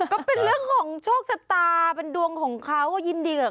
ก็เป็นเรื่องของโชคชะตาเป็นดวงของเขาก็ยินดีกับ